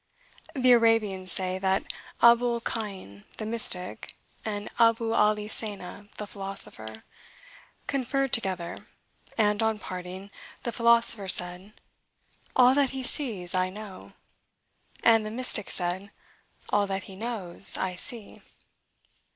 The Arabians say, that Abul Khain, the mystic, and Abu Ali Seena, the Philosopher, conferred together; and, on parting, the philosopher said, "All that he sees, I know;" and the mystic said, "All that he knows, I see."